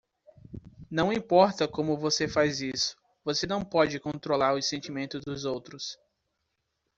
Não importa como você faz isso, você não pode controlar os sentimentos dos outros.